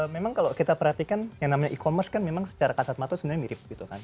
memang kalau kita perhatikan yang namanya e commerce kan memang secara kasat mata sebenarnya mirip gitu kan